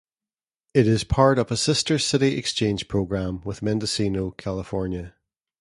It is part of a Sister City exchange program with Mendocino, California.